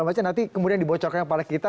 nanti kemudian dibocorkan kepada kita